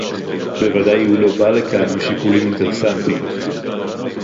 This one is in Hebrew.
בוודאי הוא לא בא לכאן משיקולים אינטרסנטיים